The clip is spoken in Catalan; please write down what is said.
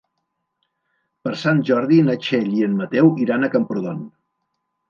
Per Sant Jordi na Txell i en Mateu iran a Camprodon.